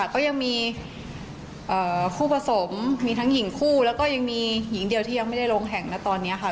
ก็ยังมีคู่ผสมมีทั้งหญิงคู่แล้วก็ยังมีหญิงเดียวที่ยังไม่ได้ลงแห่งนะตอนนี้ค่ะ